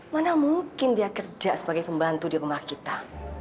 mana mungkin dia kerja sebagai pembantu di rumah kita